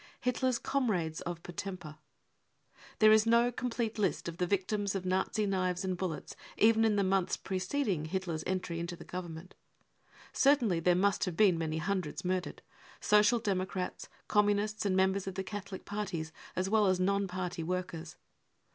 Hitler's Comrades of Potempa. There is no complete list of the victims of Nazi knives and bullets even in the months preceding Hitler's entry into the Government. |J| Certainly there must have been many hundreds murdered : Social Democrats, Communists and members of the Catholic Parties as well as non Party workers.